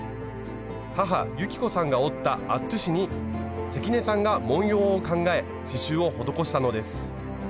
母雪子さんが織ったアットゥに関根さんが文様を考え刺しゅうを施したのです。